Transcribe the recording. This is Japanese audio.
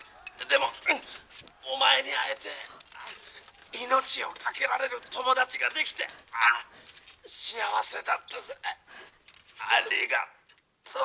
でもお前に会えて命を懸けられる友達ができて幸せだったぜ。ありがと」。